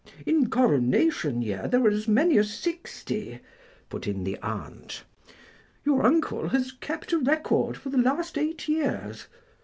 "In Coronation year there were as many as sixty," put in the aunt, "your uncle has kept a record for the last eight years."